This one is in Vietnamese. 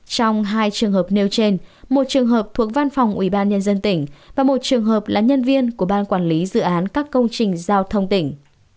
trong hai trường hợp nêu trên một trường hợp thuộc văn phòng ubnd tỉnh và một trường hợp là nhân viên của ban quản lý dự án các công trình giao thông tỉnh